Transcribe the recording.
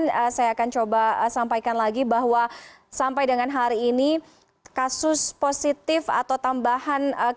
dan saya akan coba sampaikan lagi bahwa sampai dengan hari ini kasus positif atau tambahan kasus positif